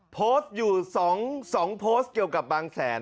โพสต์อยู่๒โพสต์เกี่ยวกับบางแสน